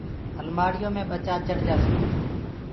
المآڙيو مي ٻچآ چڙ جاسيٚ۔